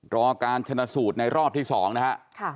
รอการชนะสูตรในรอบที่๒นะฮะ